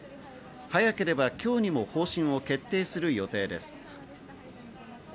早ければ今日にも方針を決定する予定です。